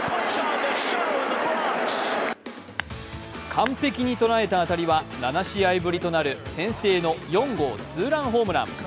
完璧に捉えた当たりは７試合ぶりとなる先制の４号ツーランホームラン。